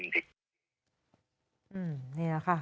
อืมนี่แหละค่ะ